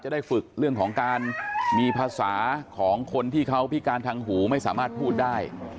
ได้ฝึกเรื่องของการมีภาษาของคนที่เขาพิการทางหูไม่สามารถพูดได้